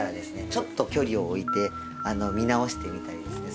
ちょっと距離を置いて見直してみたりですね